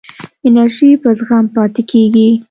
انرژی په زغم پاتې کېږي.